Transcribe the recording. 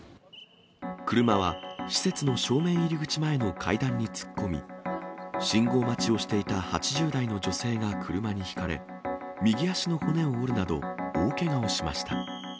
車は、施設の正面入り口前の階段に突っ込み、信号待ちをしていた８０代の女性が車にひかれ、右足の骨を折るなど大けがをしました。